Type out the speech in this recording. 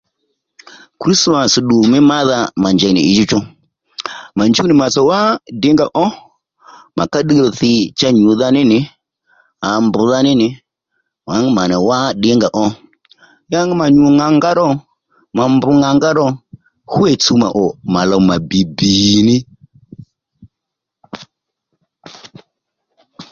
Krismas ddù mí mádha mà njey nì ǐchú mà njúw nì màtsò wá ddìnga ó mà ká ddiy rò thì cha nyùdha ní nì àa mbr̀dha ní nì nwǎngú mà nì wá ddìnga ó nwǎngú mà nyù ŋà nga ro mà mbù ŋà nga ro hwî tsùw mà ò mà lòw mà bbì bbìní